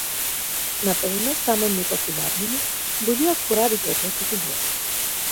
Напэўна, самымі папулярнымі былі акурат гэтыя памідоры.